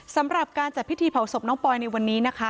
สำหรับการจัดพิธีเผาศพน้องปอยในวันนี้นะคะ